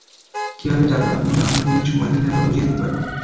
কীভাবে যাবে, আপনি আরেক দিন সময় দিলে আমরা বুঝিয়ে দিতে পারব।